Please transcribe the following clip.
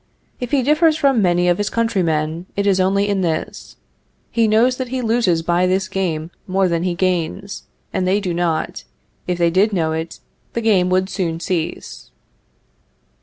If he differs from many of his countrymen, it is only in this: he knows that he loses by this game more than he gains, and they do not; if they did know it, the game would soon cease.